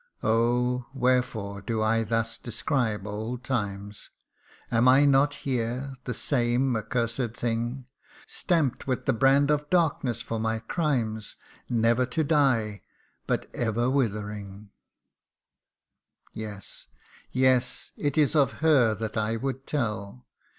Oh ! wherefore do I thus describe old times ? Am I not here the same accursed thing, Stamp 'd with the brand of darkness for my crimes Never to die but ever withering ? 54 THE UNDYING ONE " Yes yes it is of her that I would tell.